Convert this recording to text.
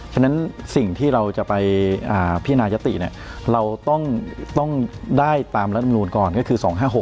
ฉะนั้นสิ่งที่เราจะไปพินายติเราต้องได้ตามรัฐมนูลก่อนก็คือ๒๕๖